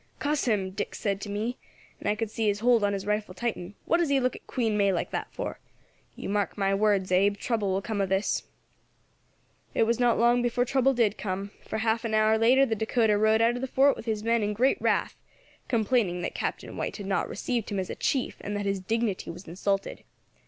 "'Cuss him!' Dick said to me, and I could see his hold on his rifle tighten, 'what does he look at Queen May like that for? You mark my words, Abe, trouble will come of this.' "It was not long before trouble did come, for half an hour later the Dacota rode out of the fort with his men in great wrath, complaining that Captain White had not received him as a chief, and that his dignity was insulted.